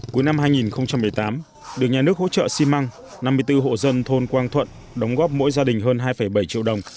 cuối năm hai nghìn một mươi tám được nhà nước hỗ trợ xi măng năm mươi bốn hộ dân thôn quang thuận đóng góp mỗi gia đình hơn hai bảy triệu đồng